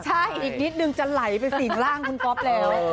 ใช่อีกนิดนึงจะไหลไปสิ่งร่างคุณก๊อฟแล้ว